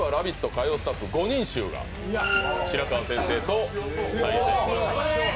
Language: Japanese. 火曜スタッフ５人衆が白川先生と対決します。